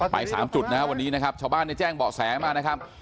ไป๓จุดนะครับวันนี้นะครับชาวบ้านได้แจ้งเบาะแสมานะครับ